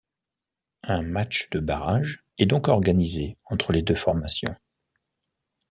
Un match de barrage est donc organisé entre les deux formations.